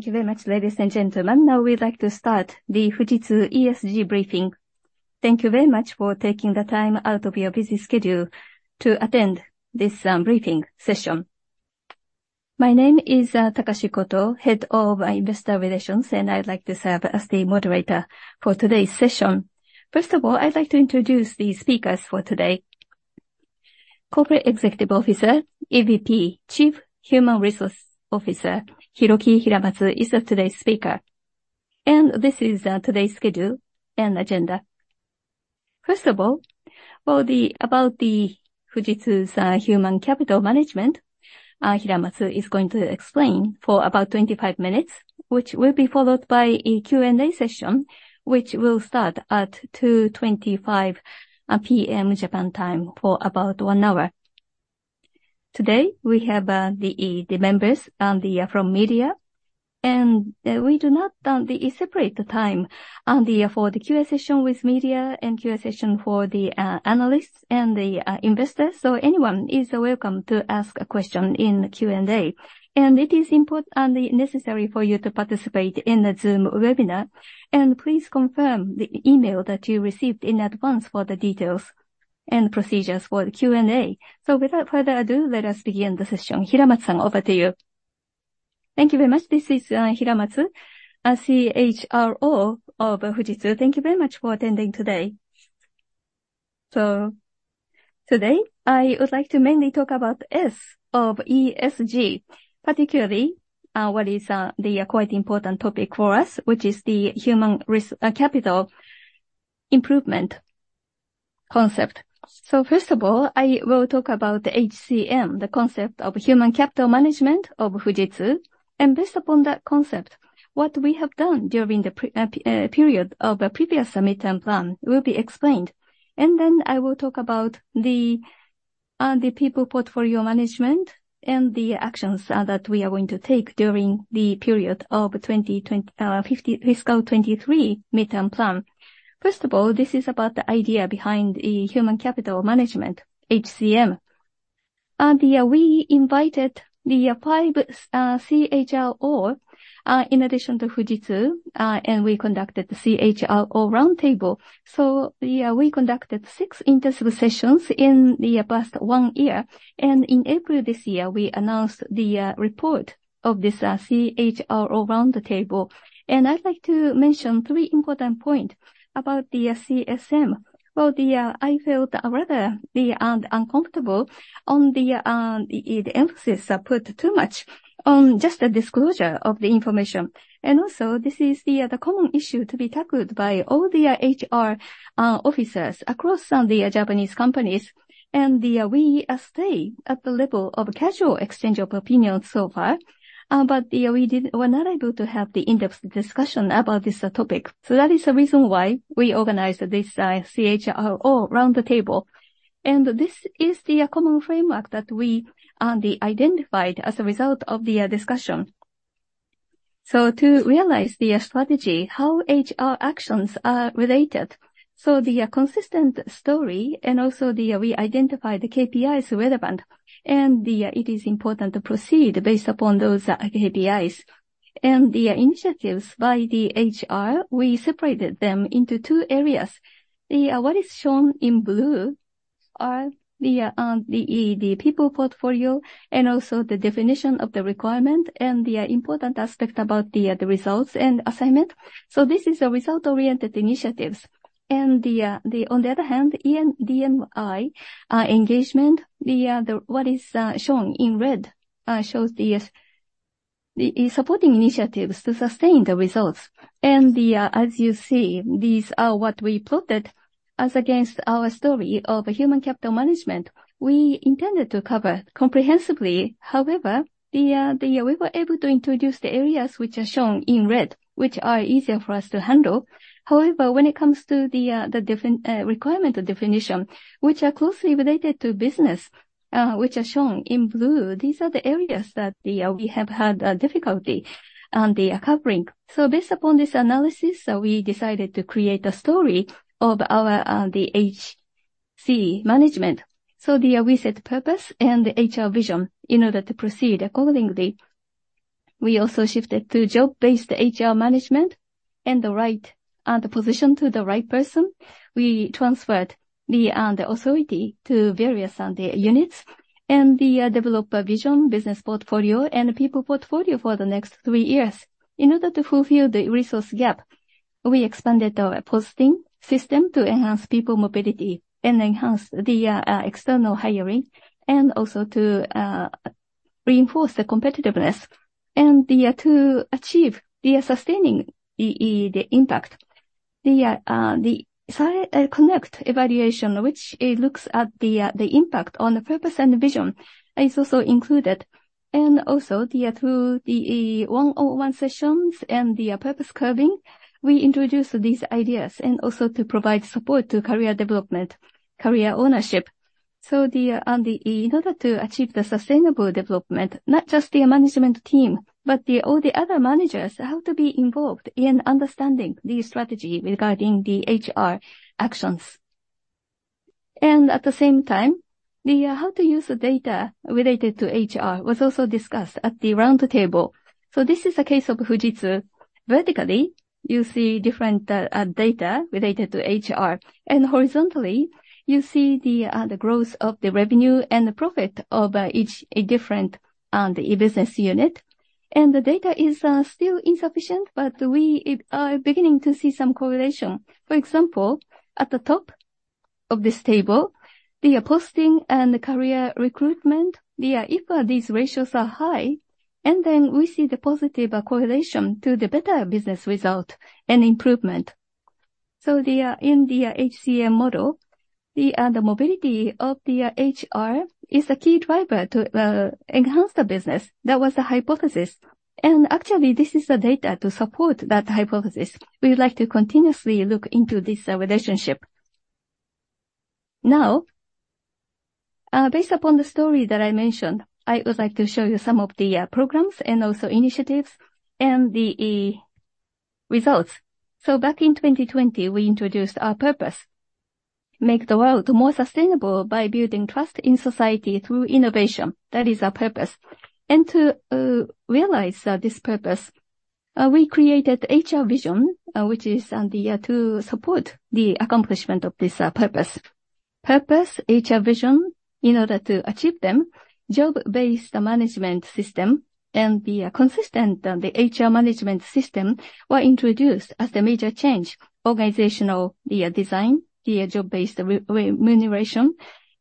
Thank you very much, ladies and gentlemen. Now we'd like to start the Fujitsu ESG briefing. Thank you very much for taking the time out of your busy schedule to attend this briefing session. My name is Takashi Koto, Head of Investor Relations, and I'd like to serve as the moderator for today's session. First of all, I'd like to introduce the speakers for today. Corporate Executive Officer, EVP, Chief Human Resource Officer, Hiroki Hiramatsu, is today's speaker. This is today's schedule and agenda. First of all, about Fujitsu's human capital management, Hiramatsu is going to explain for about 25 minutes, which will be followed by a Q&A session, which will start at 2:25 P.M., Japan time, for about one hour. Today, we have the members from media, and we do not have the separate time for the Q&A session with media and Q&A session for the analysts and the investors. So anyone is welcome to ask a question in the Q&A. It is important, necessary for you to participate in the Zoom webinar, and please confirm the email that you received in advance for the details and procedures for the Q&A. So without further ado, let us begin the session. Hiramatsu, over to you. Thank you very much. This is Hiramatsu, CHRO of Fujitsu. Thank you very much for attending today. So today, I would like to mainly talk about S of ESG, particularly what is the quite important topic for us, which is the human capital improvement concept. So first of all, I will talk about the HCM, the concept of human capital management of Fujitsu. Based upon that concept, what we have done during the period of a previous midterm plan will be explained. Then I will talk about the people portfolio management and the actions that we are going to take during the period of 2025 fiscal 2023 midterm plan. First of all, this is about the idea behind the human capital management, HCM. Yeah, we invited the five CHROs in addition to Fujitsu and we conducted the CHRO roundtable. So yeah, we conducted six intensive sessions in the past one year, and in April this year, we announced the report of this CHRO roundtable. I'd like to mention three important points about the HCM. Well, I felt rather uncomfortable on the emphasis put too much on just the disclosure of the information. Also, this is the common issue to be tackled by all the HR officers across some of the Japanese companies. We stay at the level of casual exchange of opinions so far, but we were not able to have the in-depth discussion about this topic. That is the reason why we organized this CHRO roundtable. This is the common framework that we identified as a result of the discussion. To realize the strategy, how HR actions are related. The consistent story and also we identify the KPIs relevant, and it is important to proceed based upon those KPIs. The initiatives by the HR, we separated them into two areas. The what is shown in blue are the People Portfolio, and also the definition of the requirement and the important aspect about the results and assignment. So this is a result-oriented initiatives. And on the other hand, DE&I engagement, the what is shown in red shows the supporting initiatives to sustain the results. And as you see, these are what we plotted as against our story of Human Capital Management. We intended to cover comprehensively. However, we were able to introduce the areas which are shown in red, which are easier for us to handle. However, when it comes to the requirement definition, which are closely related to business, which are shown in blue, these are the areas that we have had difficulty covering. Based upon this analysis, we decided to create a story of our HC management. We set purpose and HR vision in order to proceed accordingly. We also shifted to job-based HR management and the right position to the right person. We transferred the authority to various units and develop a vision, business portfolio, and people portfolio for the next three years. In order to fulfill the resource gap, we expanded our posting system to enhance people mobility and enhance the external hiring, and also to reinforce the competitiveness, and to achieve the sustaining the impact. The Connect evaluation, which looks at the impact on the purpose and vision, is also included. Also, through the one-on-one sessions and the purpose carving, we introduced these ideas, and also to provide support to career development, career ownership. In order to achieve the sustainable development, not just the management team, but all the other managers have to be involved in understanding the strategy regarding the HR actions. At the same time, how to use the data related to HR was also discussed at the round table. So this is a case of Fujitsu. Vertically, you see different data related to HR, and horizontally, you see the growth of the revenue and the profit of each different e-business unit. The data is still insufficient, but we are beginning to see some correlation. For example, at the top of this table, the posting and the career recruitment, if these ratios are high, and then we see the positive correlation to the better business result and improvement. So in the HCM model, the mobility of the HR is a key driver to enhance the business. That was the hypothesis, and actually, this is the data to support that hypothesis. We would like to continuously look into this relationship. Now, based upon the story that I mentioned, I would like to show you some of the programs and also initiatives and the results. So back in 2020, we introduced our purpose: Make the world more sustainable by building trust in society through innovation. That is our purpose. And to realize this purpose, we created HR vision, which is to support the accomplishment of this purpose. Purpose, HR vision, in order to achieve them, job-based management system and the consistent HR management system were introduced as the major change. Organizational design, the job-based remuneration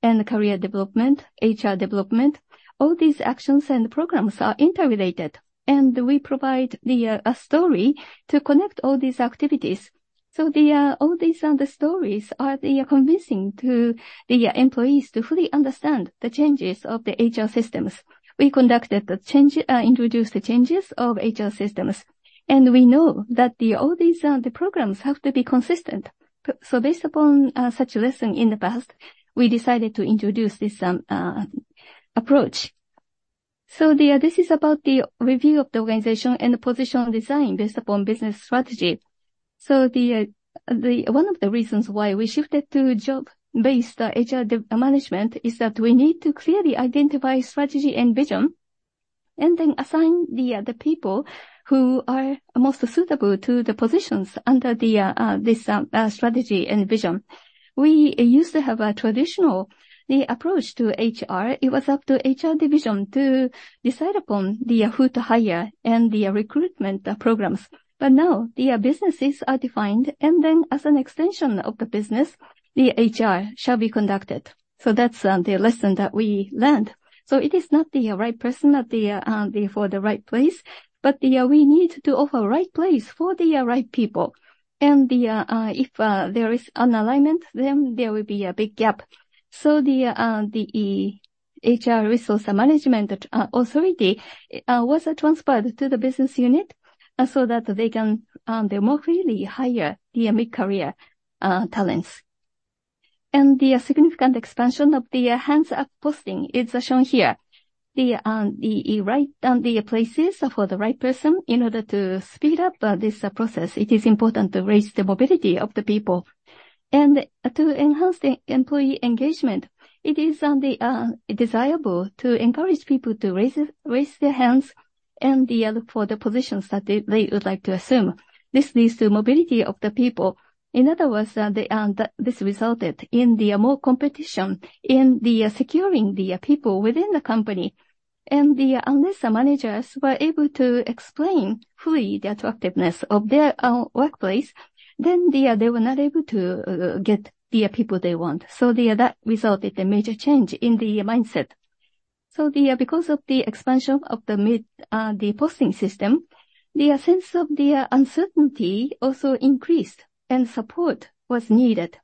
and career development, HR development, all these actions and programs are interrelated, and we provide a story to connect all these activities. All these stories are convincing to the employees to fully understand the changes of the HR systems. We conducted the change, introduced the changes of HR systems, and we know that all these programs have to be consistent. Based upon such lesson in the past, we decided to introduce this approach. This is about the review of the organization and the position design based upon business strategy. One of the reasons why we shifted to job-based HR management is that we need to clearly identify strategy and vision, and then assign the people who are most suitable to the positions under this strategy and vision. We used to have a traditional approach to HR. It was up to HR division to decide upon who to hire and the recruitment programs. Now, the businesses are defined, and then as an extension of the business, the HR shall be conducted. That's the lesson that we learned. It is not the right person for the right place, but we need to offer right place for the right people. If there is an alignment, then there will be a big gap. The HR resource management authority was transferred to the business unit so that they can more freely hire the mid-career talents. The significant expansion of the hands-up posting is shown here. The right places for the right person in order to speed up this process, it is important to raise the mobility of the people. To enhance the employee engagement, it is desirable to encourage people to raise their hands and look for the positions that they would like to assume. This leads to mobility of the people. In other words, this resulted in the more competition in the securing the people within the company. Unless the managers were able to explain fully the attractiveness of their workplace, then they were not able to get the people they want. That resulted a major change in the mindset. So the, because of the expansion of the posting system, the sense of the uncertainty also increased and support was needed.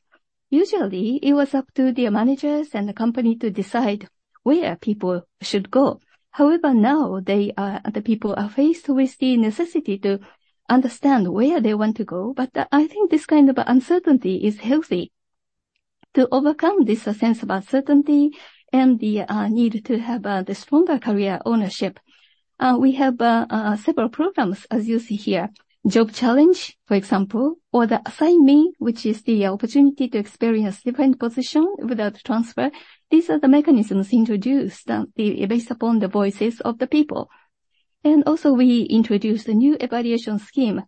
Usually, it was up to the managers and the company to decide where people should go. However, now they are, the people are faced with the necessity to understand where they want to go. But I think this kind of uncertainty is healthy. To overcome this sense of uncertainty and the need to have the stronger career ownership, we have several programs, as you see here. Job Challenge, for example, or the Assign Me, which is the opportunity to experience different position without transfer. These are the mechanisms introduced, based upon the voices of the people. And also, we introduced a new evaluation scheme,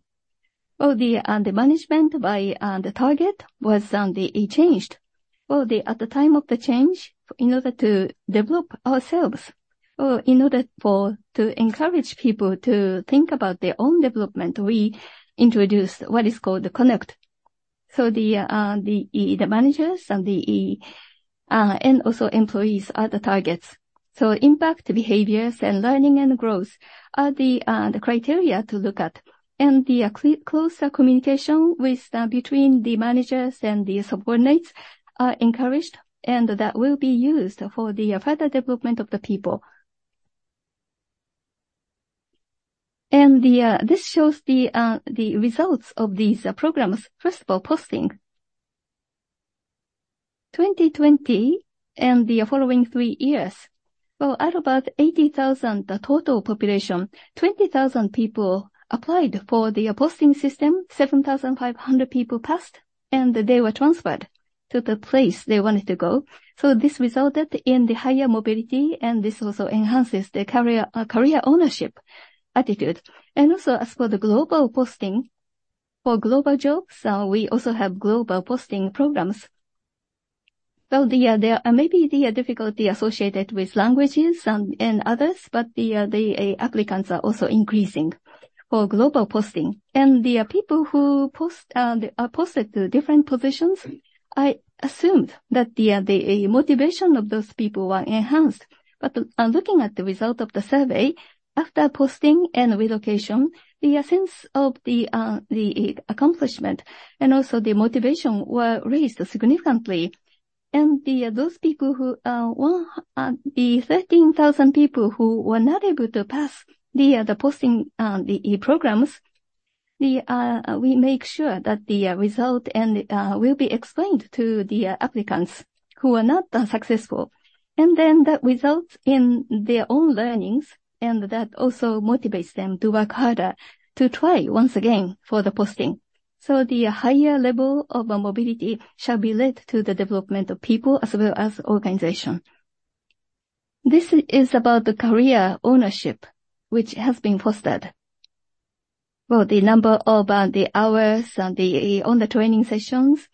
where the management by the target was changed. Well, at the time of the change, in order to develop ourselves, in order for, to encourage people to think about their own development, we introduced what is called the Connect. The managers and the, and also employees are the targets. Impact, behaviors, and learning and growth are the criteria to look at, and the closer communication between the managers and the subordinates are encouraged, and that will be used for the further development of the people. This shows the results of these programs. First of all, posting. 2020 and the following three years... Well, out of about 80,000, the total population, 20,000 people applied for the posting system, 7,500 people passed, and they were transferred to the place they wanted to go. So this resulted in the higher mobility, and this also enhances their career, career ownership attitude. And also, as for the global posting, for global jobs, we also have global posting programs. So there may be the difficulty associated with languages and others, but the applicants are also increasing for global posting. And the people who post are posted to different positions. I assumed that the motivation of those people were enhanced. But looking at the result of the survey, after posting and relocation, the sense of the accomplishment and also the motivation were raised significantly. Those people who, well, the 13,000 people who were not able to pass the posting, the programs, we make sure that the result will be explained to the applicants who are not that successful, and then that results in their own learnings, and that also motivates them to work harder, to try once again for the posting. The higher level of mobility shall be led to the development of people as well as organization. This is about the career ownership, which has been fostered. Well, the number of the hours and the, on the training sessions,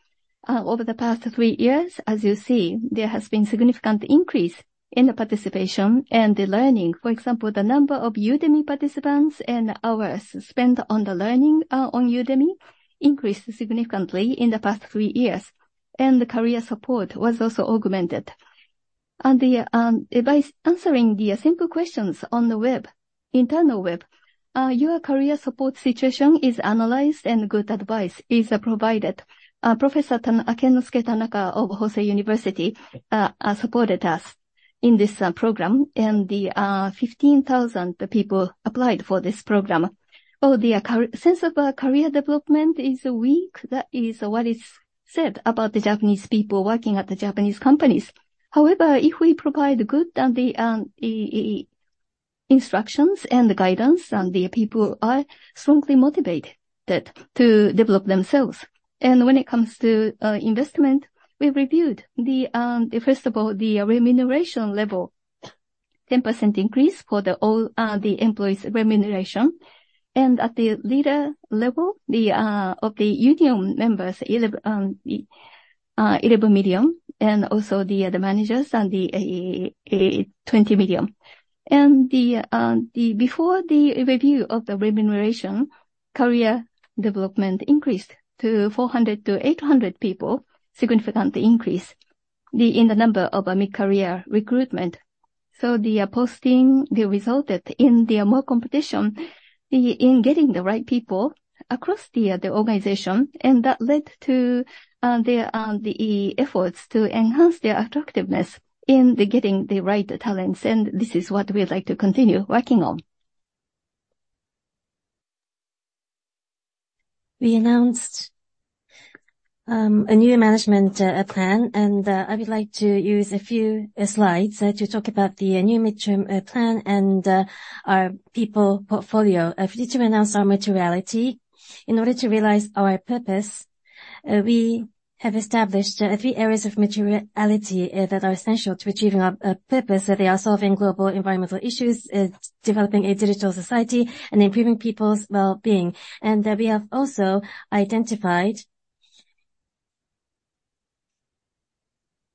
over the past three years, as you see, there has been significant increase in the participation and the learning. For example, the number of Udemy participants and hours spent on the learning on Udemy increased significantly in the past three years, and the career support was also augmented. By answering the simple questions on the web, internal web, your career support situation is analyzed, and good advice is provided. Professor Kennosuke Tanaka of Hosei University supported us in this program, and the 15,000 people applied for this program. Well, the sense of career development is weak. That is what is said about the Japanese people working at the Japanese companies. However, if we provide good instructions and guidance, and the people are strongly motivated to develop themselves. And when it comes to investment, we reviewed first of all the remuneration level, 10% increase for all the employees' remuneration. And at the leader level of the union members, 11 million, and also the managers and the 20 million. And before the review of the remuneration, career development increased to 400-800 people. Significant increase in the number of mid-career recruitment. So the posting, they resulted in the more competition in getting the right people across the organization, and that led to the efforts to enhance their attractiveness in getting the right talents, and this is what we'd like to continue working on. We announced a new management plan, and I would like to use a few slides to talk about the new midterm plan and our People Portfolio. Fujitsu announced our Materiality. In order to realize our purpose, we have established three areas of materiality that are essential to achieving our purpose. That they are solving global environmental issues, developing a digital society and improving people's well-being. And then we have also identified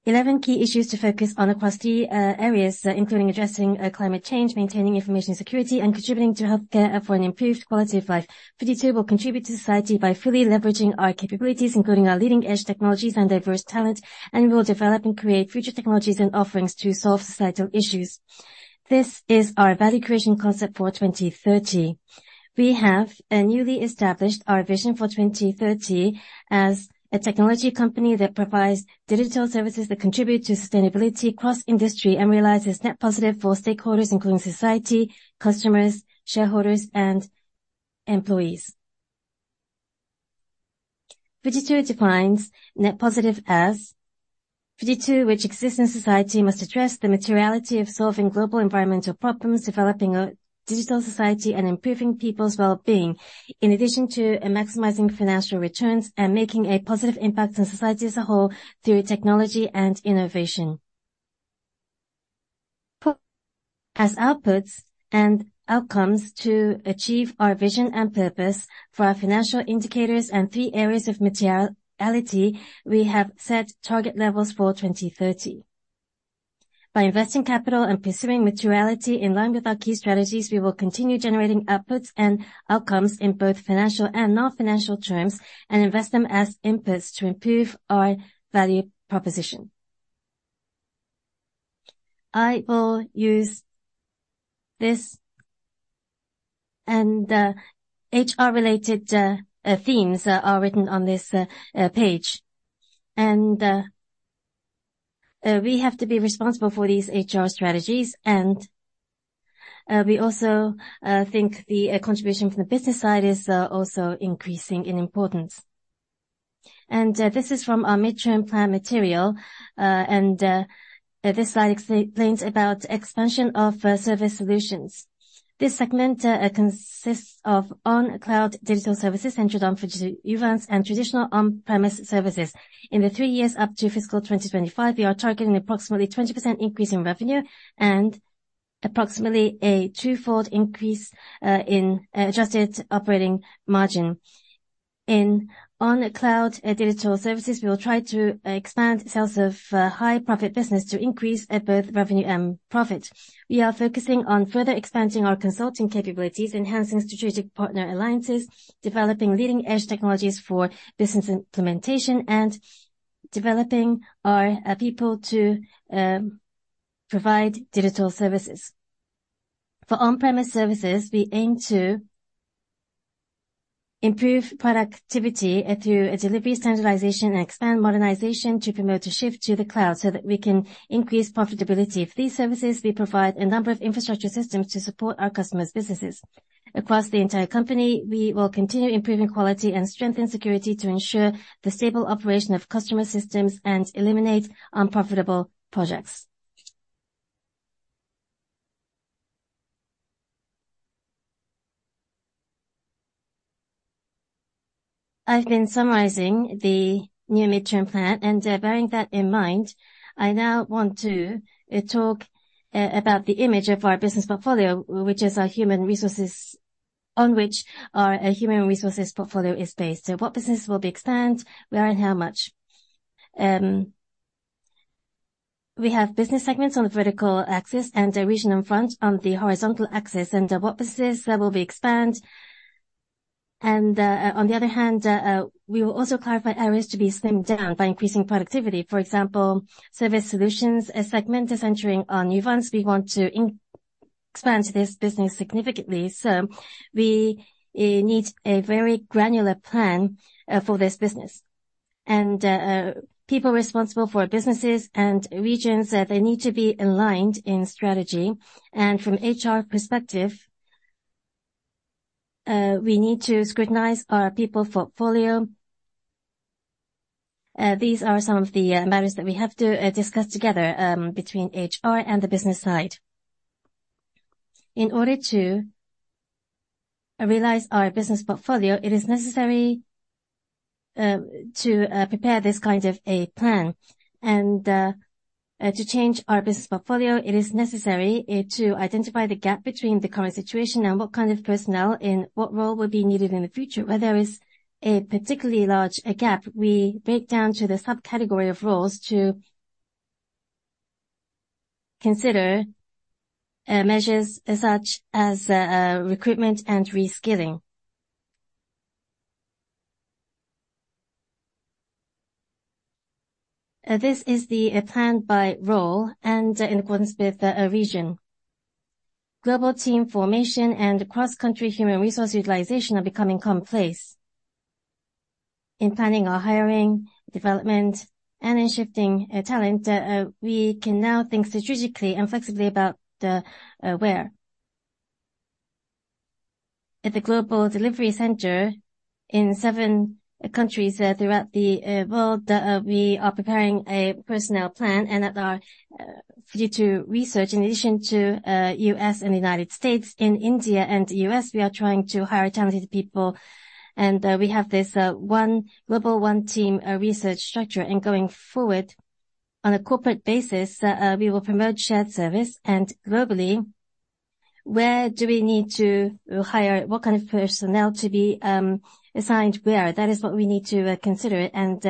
11 key issues to focus on across the areas, including addressing climate change, maintaining information security, and contributing to healthcare for an improved quality of life. Fujitsu will contribute to society by fully leveraging our capabilities, including our leading-edge technologies and diverse talent, and we will develop and create future technologies and offerings to solve societal issues. This is our value creation concept for 2030. We have newly established our vision for 2030 as a technology company that provides digital services that contribute to sustainability across industry and realizes Net Positive for stakeholders, including society, customers, shareholders, and employees. Fujitsu defines Net Positive as Fujitsu, which exists in society, must address the materiality of solving global environmental problems, developing a digital society, and improving people's well-being, in addition to maximizing financial returns and making a positive impact on society as a whole through technology and innovation. As outputs and outcomes to achieve our vision and purpose for our financial indicators and three areas of materiality, we have set target levels for 2030. By investing capital and pursuing materiality in line with our key strategies, we will continue generating outputs and outcomes in both financial and non-financial terms and invest them as inputs to improve our value proposition. I will use this, and the HR-related themes are written on this page, and we have to be responsible for these HR strategies, and we also think the contribution from the business side is also increasing in importance. This is from our midterm plan material, and this slide explains about expansion of Service Solutions. This segment consists of On-Cloud Digital Services centered on Fujitsu Uvance and traditional On-Premise Services. In the three years up to fiscal 2025, we are targeting approximately 20% increase in revenue and approximately a two-fold increase in adjusted operating margin. In On-Cloud Digital Services, we will try to expand sales of high profit business to increase both revenue and profit. We are focusing on further expanding our consulting capabilities, enhancing strategic partner alliances, developing leading-edge technologies for business implementation, and developing our people to provide digital services. For on-premise services, we aim to improve productivity through delivery standardization and expand modernization to promote a shift to the cloud so that we can increase profitability. For these services, we provide a number of infrastructure systems to support our customers' businesses. Across the entire company, we will continue improving quality and strengthen security to ensure the stable operation of customer systems and eliminate unprofitable projects. I've been summarizing the new midterm plan, and bearing that in mind, I now want to talk about the image of our business portfolio, which is our human resources, on which our human resources portfolio is based. So what business will be expanded, where and how much? We have business segments on the vertical axis and the region in front, on the horizontal axis, and what business level we expand. On the other hand, we will also clarify areas to be slimmed down by increasing productivity. For example, Service Solutions, a segment is centering on new ones. We want to expand this business significantly, so we need a very granular plan for this business. People responsible for businesses and regions, they need to be aligned in strategy. From HR perspective, we need to scrutinize our People Portfolio. These are some of the matters that we have to discuss together between HR and the business side. In order to realize our business portfolio, it is necessary to prepare this kind of a plan. To change our business portfolio, it is necessary to identify the gap between the current situation and what kind of personnel, and what role will be needed in the future. Where there is a particularly large gap, we break down to the subcategory of roles to consider measures such as recruitment and reskilling. This is the plan by role and in accordance with the region. Global team formation and cross-country human resource utilization are becoming commonplace. In planning our hiring, development, and in shifting talent, we can now think strategically and flexibly about the where. At the Global Delivery Center in seven countries throughout the world, we are preparing a personnel plan and other future resources, in addition to U.S. and the United States, in India and the U.S., we are trying to hire talented people. We have this one global, one team research structure. Going forward, on a corporate basis, we will promote shared service. Globally, where do we need to hire? What kind of personnel to be assigned where? That is what we need to consider, and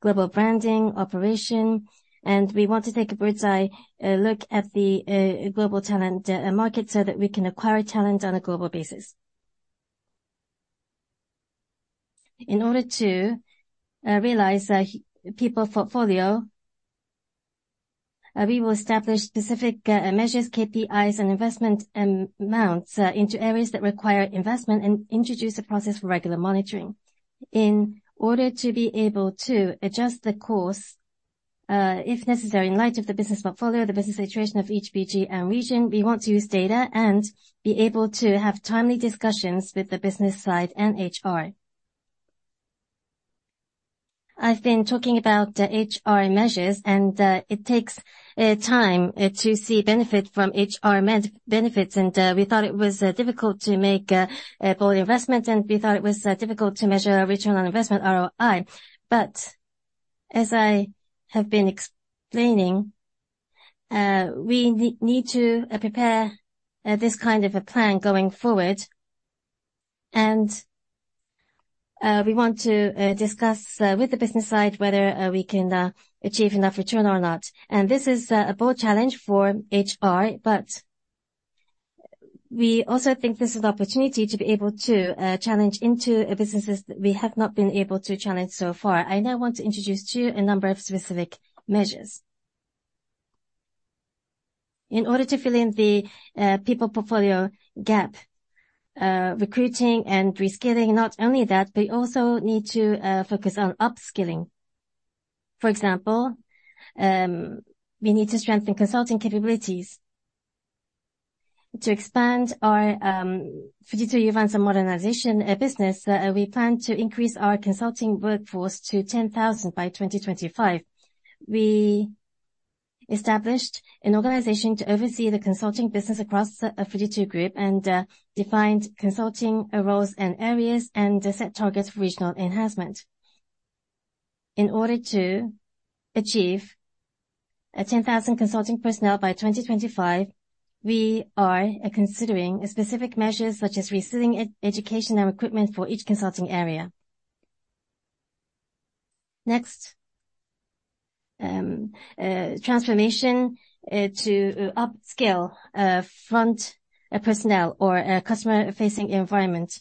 global branding, operation, and we want to take a bird's-eye look at the global talent market, so that we can acquire talent on a global basis. In order to realize that people portfolio, we will establish specific measures, KPIs, and investment amounts into areas that require investment, and introduce a process for regular monitoring. In order to be able to adjust the course if necessary, in light of the business portfolio, the business situation of each BG and region, we want to use data and be able to have timely discussions with the business side and HR. I've been talking about the HR measures, and it takes time to see benefit from HR benefits. We thought it was difficult to make bold investment, and we thought it was difficult to measure return on investment, ROI. As I have been explaining, we need to prepare this kind of a plan going forward, and we want to discuss with the business side whether we can achieve enough return or not. This is a bold challenge for HR, but we also think this is an opportunity to be able to challenge into businesses that we have not been able to challenge so far. I now want to introduce to you a number of specific measures. In order to fill in the people portfolio gap, recruiting and reskilling. Not only that, we also need to focus on upskilling. For example, we need to strengthen consulting capabilities. To expand our Fujitsu Uvance and modernization business, we plan to increase our consulting workforce to 10,000 by 2025. We established an organization to oversee the consulting business across the Fujitsu group, and defined consulting roles and areas, and set targets for regional enhancement. In order to achieve 10,000 consulting personnel by 2025, we are considering specific measures, such as reskilling education and equipment for each consulting area. Next, transformation to upskill front personnel or customer-facing environment.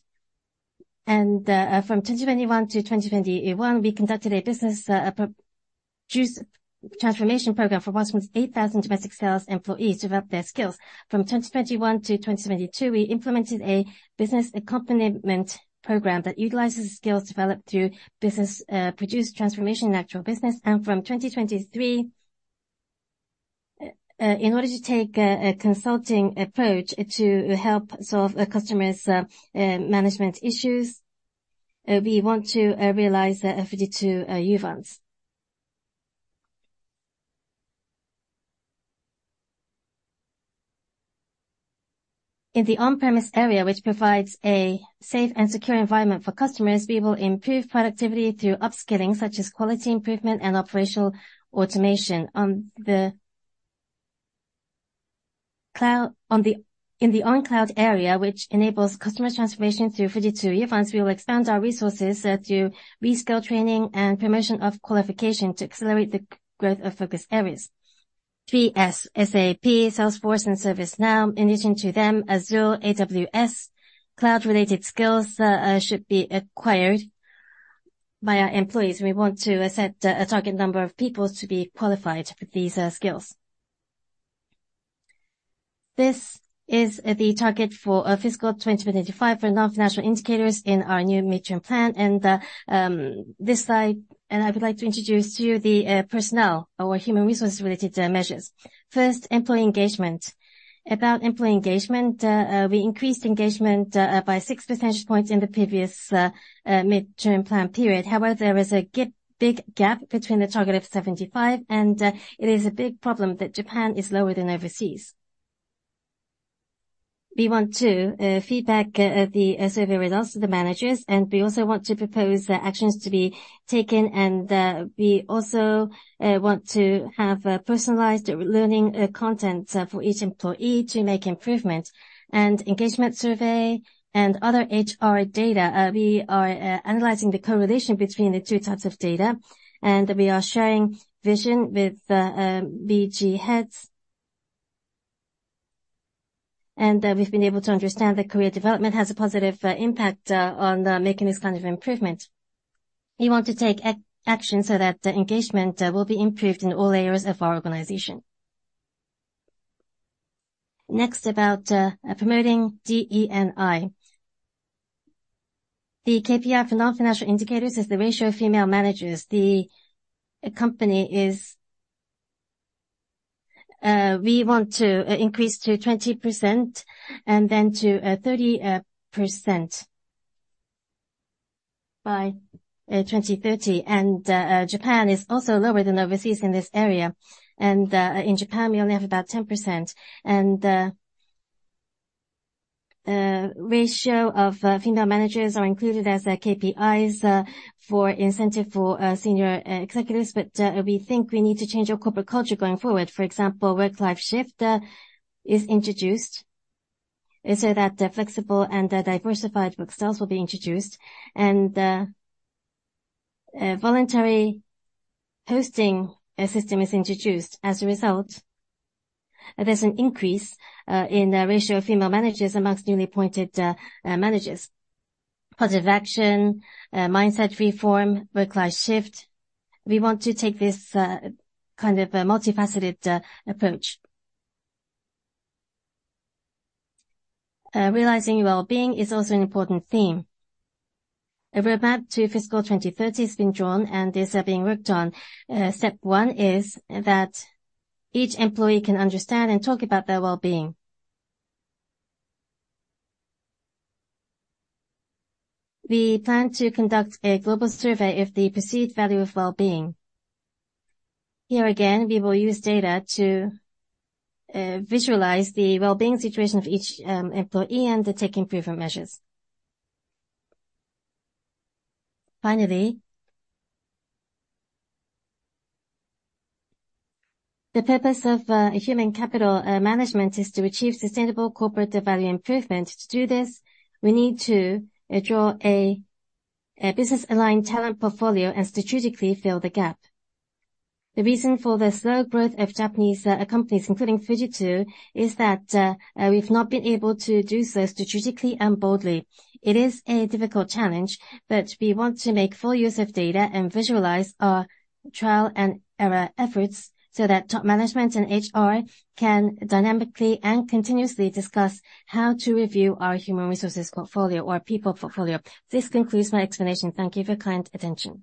From 2021 to 2021, we conducted a business process transformation program for approximately 8,000 domestic sales employees to develop their skills. From 2021 to 2022, we implemented a business accompaniment program that utilizes skills developed through business process transformation in actual business. From 2023, in order to take a consulting approach to help solve a customer's management issues, we want to realize the Fujitsu Uvance. In the on-premise area, which provides a safe and secure environment for customers, we will improve productivity through upskilling, such as quality improvement and operational automation. On the cloud, in the on-cloud area, which enables customer transformation through Fujitsu Uvance, we will expand our resources to reskill training and permission of qualification to accelerate the growth of focus areas. 3S, SAP, Salesforce, and ServiceNow, in addition to them, Azure, AWS, cloud-related skills should be acquired by our employees. We want to set a target number of people to be qualified with these skills. This is the target for fiscal 2025 for non-financial indicators in our new mid-term plan. This slide, and I would like to introduce to you the personnel, our human resource related measures. First, employee engagement. About employee engagement, we increased engagement by 6 percentage points in the previous mid-term plan period. However, there was a gap, big gap between the target of 75, and it is a big problem that Japan is lower than overseas. We want to feedback the survey results to the managers, and we also want to propose the actions to be taken, and we also want to have personalized learning content for each employee to make improvements. And engagement survey and other HR data, we are analyzing the correlation between the two types of data, and we are sharing vision with BG heads. We've been able to understand that career development has a positive impact on making this kind of improvement. We want to take action so that the engagement will be improved in all areas of our organization. Next, about promoting DE&I. The KPI for non-financial indicators is the ratio of female managers. The company is we want to increase to 20% and then to 30% by 2030. Japan is also lower than overseas in this area. And in Japan, we only have about 10%. And ratio of female managers are included as their KPIs for incentive for senior executives. But we think we need to change our corporate culture going forward. For example, Work Life Shift is introduced, and so that flexible and diversified work styles will be introduced, and a voluntary posting system is introduced. As a result, there's an increase in the ratio of female managers amongst newly appointed managers. Positive action, mindset reform, Work Life Shift. We want to take this kind of a multifaceted approach. Realizing well-being is also an important theme. A roadmap to fiscal 2030 has been drawn, and these are being worked on. Step one is that each employee can understand and talk about their well-being. We plan to conduct a global survey of the perceived value of well-being. Here, again, we will use data to visualize the well-being situation of each employee and to take improvement measures. Finally, the purpose of human capital management is to achieve sustainable corporate value improvement. To do this, we need to draw a business-aligned talent portfolio and strategically fill the gap. The reason for the slow growth of Japanese companies, including Fujitsu, is that we've not been able to do so strategically and boldly. It is a difficult challenge, but we want to make full use of data and visualize our trial-and-error efforts, so that top management and HR can dynamically and continuously discuss how to review our human resources portfolio or people portfolio. This concludes my explanation. Thank you for your kind attention.